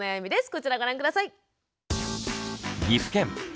こちらご覧下さい。